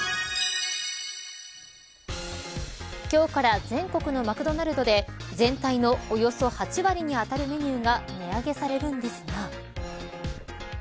今日から全国のマクドナルドで全体のおよそ８割にあたるメニューが値上げされるんですが。